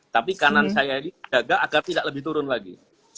tapi kanan saya ini agak tidak lebih turun lagi